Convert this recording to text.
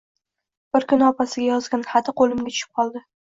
Bir kuni opasiga yozgan xati qo`limga tushib qoldi